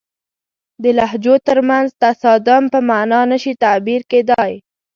د لهجو ترمنځ تصادم په معنا نه شي تعبیر کېدای.